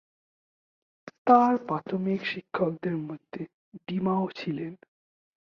তার প্রাথমিক শিক্ষকদের মধ্যে জন ডিমাও ছিলেন।